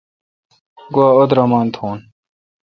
گوا اودرمان تھون۔